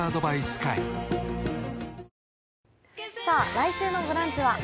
来週の「ブランチ」は？